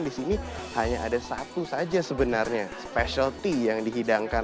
disini hanya ada satu saja sebenarnya specialty yang dihidangkan